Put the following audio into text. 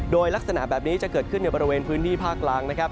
โดยลักษณะแบบนี้จะเกิดขึ้นในบริเวณพื้นที่ภาคล่างนะครับ